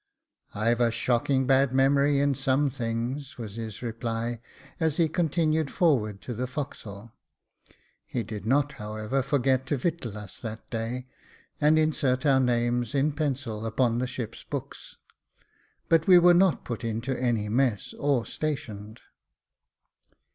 " I've a shocking bad memory in some things," was his reply, as he continued forward to the forecastle. He did not, however, forget to victual us that day, and insert our names, in pencil, upon the ship's books ; but we were not put into any mess, or stationed.